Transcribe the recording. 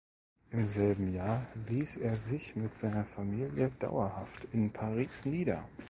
Im selben Jahr liess er sich mit seiner Familie dauerhaft in Paris nieder.